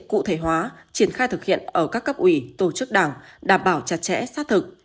cụ thể hóa triển khai thực hiện ở các cấp ủy tổ chức đảng đảm bảo chặt chẽ sát thực